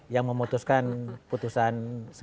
yang memutuskan putusan sembilan puluh